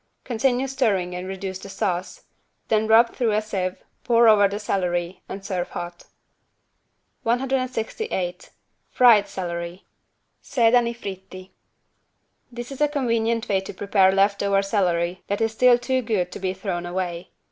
Continue stirring and reduce the sauce. Then rub through a sieve, pour over the celery and serve very hot. 168 FRIED CELERY (Sedani fritti) This is a convenient way to prepare left over celery that is still too good to be thrown away.